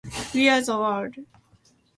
We are the world